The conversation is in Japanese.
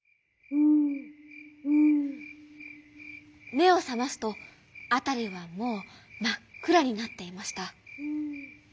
めをさますとあたりはもうまっくらになっていました。